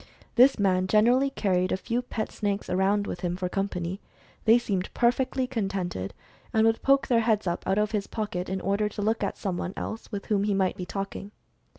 This man gen erally carried a few pet snakes around with him for company. They seemed perfectly contented, and would poke their heads up from out of his pocket, in order to look at some one else with whom he might be talking.